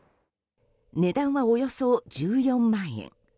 値段はおよそ１４万円。